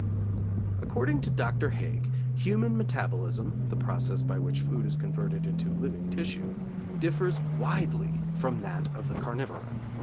According to Dr. Haig, human metabolism (the process by which food is converted into living tissue) differs widely from that of the carnivora.